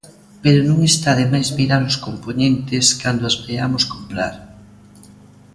Pero non está de máis mirar os compoñentes cando as vaiamos comprar.